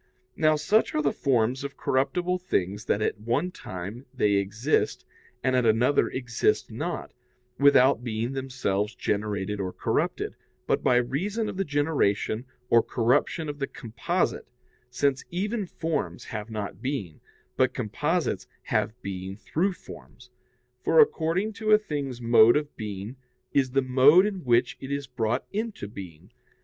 Now, such are the forms of corruptible things that at one time they exist and at another exist not, without being themselves generated or corrupted, but by reason of the generation or corruption of the "composite"; since even forms have not being, but composites have being through forms: for, according to a thing's mode of being, is the mode in which it is brought into being.